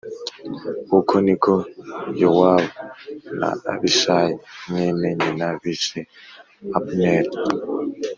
Uko ni ko Yowabu na Abishayi mwene nyina bishe Abuneri